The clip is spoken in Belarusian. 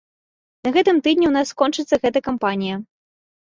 На гэтым тыдні у нас скончыцца гэта кампанія.